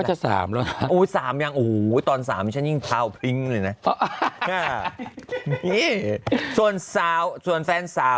ก็จะสามแล้วนะโอ้โหสามยังโอ้โหตอนสามฉันยิ่งพาวพิ้งเลยนะ